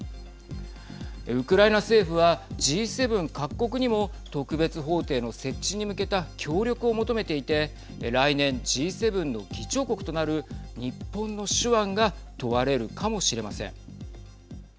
ウクライナ政府はＧ７各国にも特別法廷の設置に向けた協力を求めていて、来年Ｇ７の議長国となる日本の手腕が問われるかもしれません。